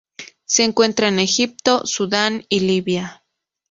Se encuentra en Egipto, Sudán y Libia.